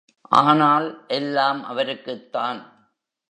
ஆனால், எல்லாம் அவருக்குத்தான்.